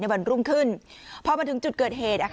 วันรุ่งขึ้นพอมาถึงจุดเกิดเหตุ